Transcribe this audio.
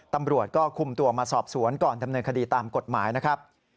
ตำรวจก็คุมตัวมาสอบสวนก่อนดำเนินคดีตามกฎหมายนะครับ